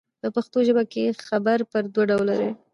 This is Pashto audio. په پښتو ژبه کښي خبر پر دوه ډوله دئ.